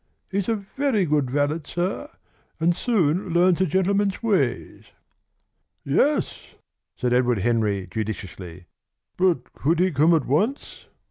He's a very good valet, sir, and soon learns a gentleman's ways." "Yes," said Edward Henry judiciously. "But could he come at once?